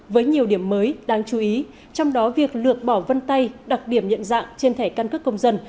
với nhiều điểm mới đáng chú ý trong đó việc lược bỏ vân tay đặc điểm nhận dạng trên thẻ căn cước công dân